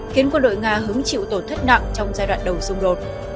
khiến quân đội nga hứng chịu tổn thất nặng trong giai đoạn đầu xung đột